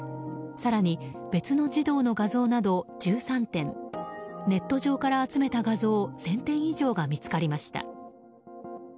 更に、別の児童の画像など１３点ネット上から集めた画像１０００点以上が見つかりました。